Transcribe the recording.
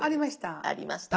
ありました。